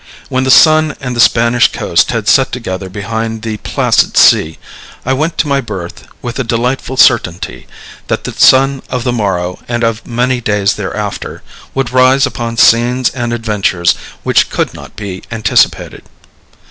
When the sun and the Spanish coast had set together behind the placid sea, I went to my berth with the delightful certainty that the sun of the morrow, and of many days thereafter, would rise upon scenes and adventures which could not be anticipated.